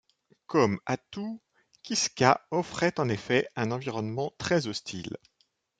Comme Attu, Kiska offrait en effet un environnement très hostile.